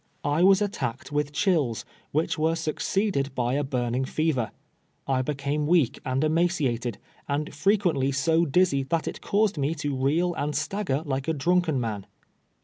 I was attacked with chills, which were succeeded by a burning fever. I became weak and emaciated, and frequently so diz zy that it caused rae to reel and stagger like a drunk en man.